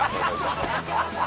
ハハハハハ！